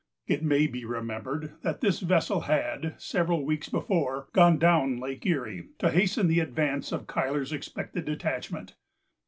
It may be remembered that this vessel had, several weeks before, gone down Lake Erie to hasten the advance of Cuyler's expected detachment.